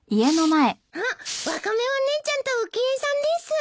あっワカメお姉ちゃんと浮江さんです！